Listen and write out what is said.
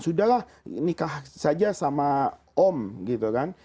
sudahlah nikah saja sama om gitu kan